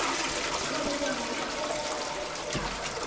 坂本さんに貸したんや。